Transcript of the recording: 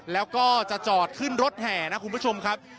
แล้วก็จะจอดขึ้นรถแห่นะคุณผู้ชมครับ